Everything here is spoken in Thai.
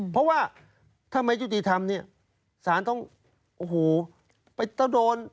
เพราะว่าถ้าไม่ยุติธรรมเนี่ยสารต้องโอ้โหไปต้องโดน